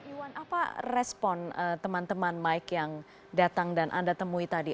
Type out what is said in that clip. iwan apa respon teman teman mike yang datang dan anda temui tadi